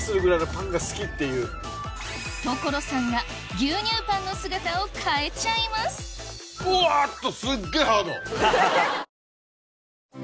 所さんが牛乳パンの姿を変えちゃいますうわっと！